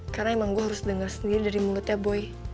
karena emang gue harus denger sendiri dari mulutnya boy